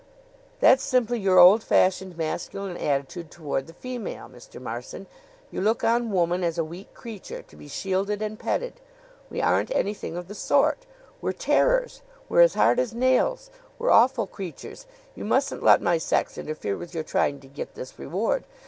"That's simply your old fashioned masculine attitude toward the female, Mr. Marson. You look on woman as a weak creature, to be shielded and petted. We aren't anything of the sort. We're terrors! We're as hard as nails. We're awful creatures. You mustn't let my sex interfere with your trying to get this reward.